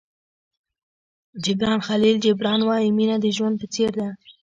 جبران خلیل جبران وایي مینه د ژوند په څېر ده.